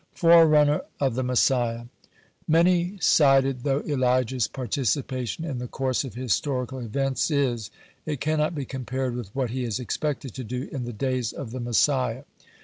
(104) FORERUNNER OF THE MESSIAH Many sided though Elijah's participation in the course of historical events is, it cannot be compared with what he is expected to do in the days of the Messiah.